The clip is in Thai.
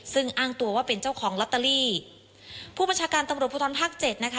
ซึ่งอ้างตัวว่าเป็นเจ้าของลอตเตอรี่ผู้บัญชาการตำรวจภูทรภาคเจ็ดนะคะ